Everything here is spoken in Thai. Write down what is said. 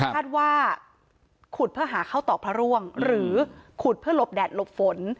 คาดว่าขุดเพื่อหาเข้าต่อพระร่วงหรือขุดเพื่อหลบแดดหลบฝน